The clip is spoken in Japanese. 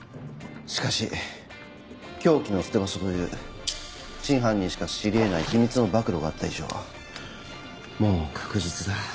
しかし凶器の捨て場所という真犯人しか知り得ない秘密の暴露があった以上もう確実だ。